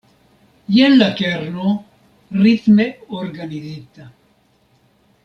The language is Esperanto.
Jen la kerno: ritme organizita.